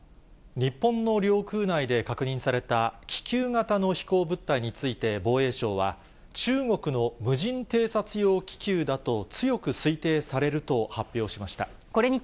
日本の領空内で確認された、気球型の飛行物体について防衛省は、中国の無人偵察用気球だと、強く推定されると発表しました。